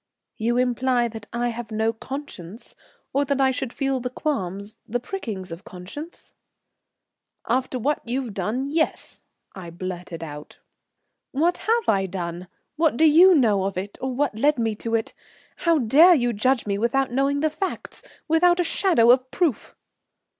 "You imply that I have no conscience, or that I should feel the qualms, the prickings of conscience?" "After what you've done, yes," I blurted out. "What have I done? What do you know of it, or what led me to do it? How dare you judge me without knowing the facts, without a shadow of proof?"